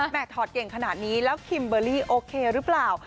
ถอดเก่งขนาดนี้แล้วคิมเบอร์รี่โอเคหรือเปล่า